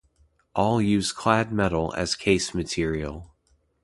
All use clad metal as case material.